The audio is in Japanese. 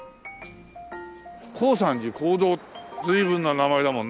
「耕三寺耕三」随分な名前だもんね。